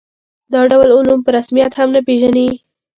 دا ډول علوم په رسمیت هم نه پېژني.